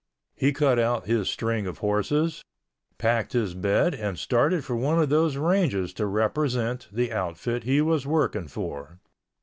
He cut out his string of horses, packed his bed and started for one of those ranges to represent the outfit he was working for.